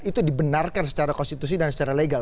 itu dibenarkan secara konstitusi dan secara legal